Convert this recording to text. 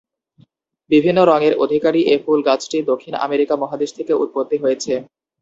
বিভিন্ন রঙের অধিকারী এ ফুল গাছটি দক্ষিণ আমেরিকা মহাদেশ থেকে উৎপত্তি হয়েছে।